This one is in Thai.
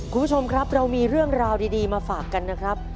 คุณผู้ชมครับเรามีเรื่องราวดีมาฝากกันนะครับ